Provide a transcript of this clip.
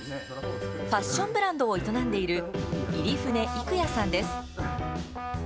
ファションブランドを営んでいる入船郁也さんです。